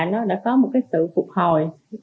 nó đã có một cái sự phục hồi